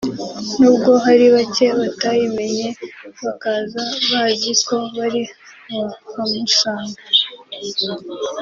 nubwo hari bacye batayimenye bakaza bazi ko bari buhamusange